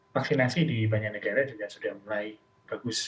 vaksinasi di banyak negara juga sudah mulai bagus